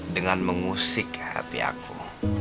dengan mengusik hati aku